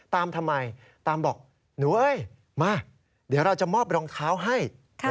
ตามบอกหนูเอ้ยมาเดี๋ยวเราจะมอบรองเท้าให้